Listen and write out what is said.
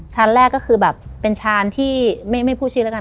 แรกก็คือแบบเป็นชานที่ไม่พูดชื่อแล้วกัน